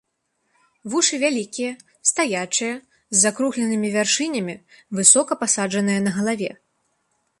Вушы вялікія, стаячыя, з закругленымі вяршынямі, высока пасаджаныя на галаве.